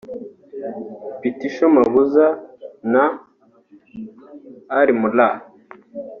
Pitsho Mabuza na Ar Mulah